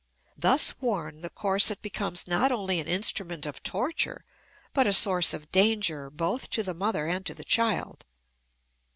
Thus worn, the corset becomes not only an instrument of torture but a source of danger both to the mother and to the child.